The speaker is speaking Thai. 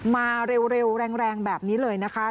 มาเร็วแรงแบบนี้เลยนะคะ